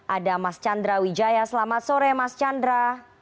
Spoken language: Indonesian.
ada mas chandra wijaya selamat sore mas chandra